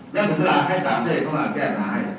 และถึงเวลาให้ต่างเจ้าเองเข้ามาแก้มาให้